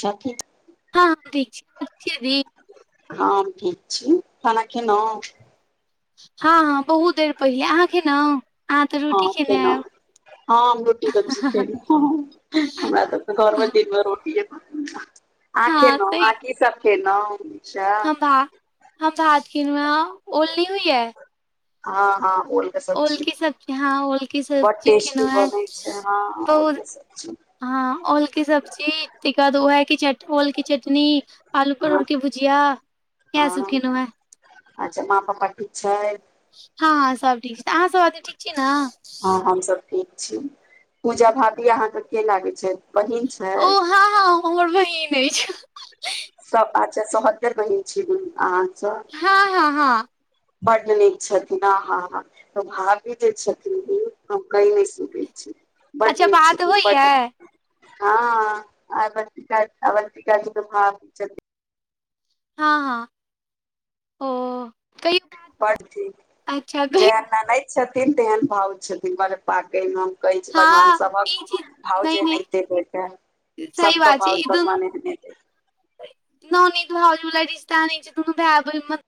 साथी हा दीषाथी हँ ठीक छी खाना खेलों हा हा बहुत देर पहिलै अहाँके ने अहाँ तऽ हँ रोटी केने खेलहुँ आयब हँ रोटी तऽ चिकन हमरा तऽ घोर में दिन में रोटी अहाँ हँ खालौ तै कि सभ खलौ हम भा हम भात गन मे ओलली हइ है हँ हा ओल की सब्जी हँ ओल की बड सब्जी टेस्टी केलहु है बनै छै हँ बहुत ओल और के सब्जी हँ ओल की सब्जी त बाद वहै की ओल की चटनी आलू हँ परोर के भुजिया भूजिया हँ अच्छा पप्पा ठीक छैथ हँ सभ ठीक छै। अहाँ सभ आदमी ठीक छी न हँ हम सभ ठीक छी पूजा भाभी अहाँके के लागे छै। बहन छै। ओ हँ हँ हमर बहिन अछि। सऽ अच्छा सहदर बहिन छी सभ हँ हा हा बढ़ निक छी छथिन ह हा तऽ भाभी जे छथिन तऽ कहि नहि सुके छै। बड़ अच्छा निक बात छथिन। बड़ होइया निक हँ आवतिक अवतिक डाल भात खेबै हँ हा ओ कहियो बात पढ़थिन अच्छा कहि जेहन ननै छथिन। तेहन भउ छथिन। ब पाके में कहै छै। भगवान हँ सभ ई केँ चीज भाव नहि नहि जेनातेत सभ केँ भौज बदमश नै होइ छै। न न तू ह ज लडिस तान तून भै